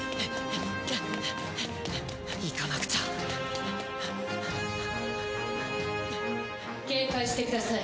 行かなくちゃ警戒してください。